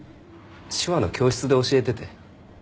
手話の教室で教えてて。